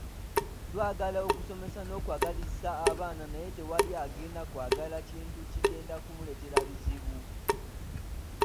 Twagala okusomesa n’okwagazisa abaana naye tewali agenda kwagala kintu kigenda kumuleetera bizibu.